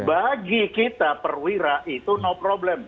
bagi kita perwira itu no problem